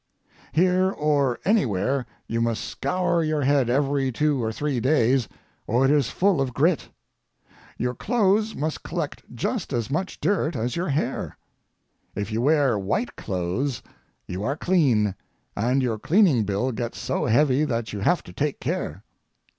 Here or anywhere you must scour your head every two or three days or it is full of grit. Your clothes must collect just as much dirt as your hair. If you wear white clothes you are clean, and your cleaning bill gets so heavy that you have to take care.